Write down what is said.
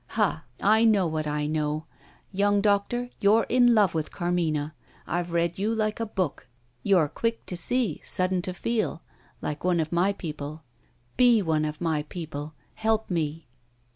Ha! I know, what I know. Young doctor, you're in love with Carmina! I've read you like a book. You're quick to see, sudden to feel like one of my people. Be one of my people. Help me."